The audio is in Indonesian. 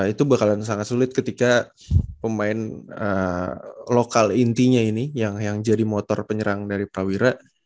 itu bakalan sangat sulit ketika pemain lokal intinya ini yang jadi motor penyerang dari prawira